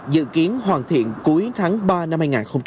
dự kiến hoàn thiện cuối tháng ba năm hai nghìn hai mươi